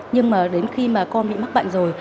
nhưng mà đến khi mà con bị mắc bệnh rồi